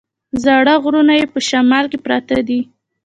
زاړه غرونه یې په شمال کې پراته دي.